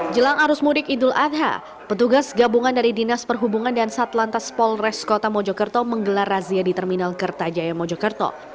jelang arus mudik idul adha petugas gabungan dari dinas perhubungan dan satlantas polres kota mojokerto menggelar razia di terminal kertajaya mojokerto